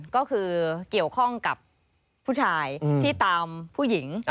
ก็คือเกี่ยวข้องกับผู้ชายที่ตามผู้หญิง